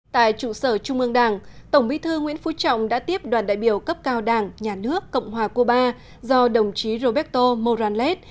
tại trụ sở trung ương đảng tổng bí thư nguyễn phú trọng đã tiếp đoàn đại biểu cấp cao đảng nhà nước cộng hòa cuba do đồng chí roberto moranlet